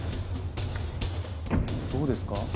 どうですか？